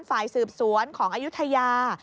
ฝ่ายสืบสวนของอายุทยา